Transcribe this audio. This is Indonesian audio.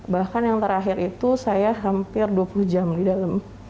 bahkan yang terakhir itu saya hampir dua puluh jam di dalam